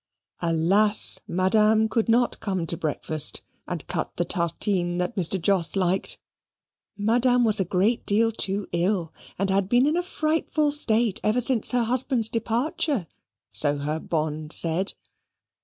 Alas! Madame could not come to breakfast, and cut the tartines that Mr. Jos liked. Madame was a great deal too ill, and had been in a frightful state ever since her husband's departure, so her bonne said.